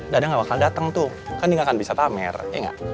dadang nggak bakal datang tuh kan dia nggak akan bisa tamer ya nggak